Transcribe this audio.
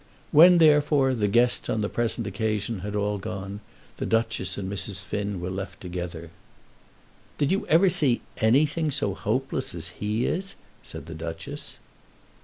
When, therefore, the guests on the present occasion had all gone, the Duchess and Mrs. Finn were left together. "Did you ever see anything so hopeless as he is?" said the Duchess.